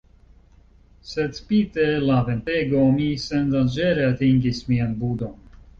Sed, spite la ventego, mi sendanĝere atingis mian budon.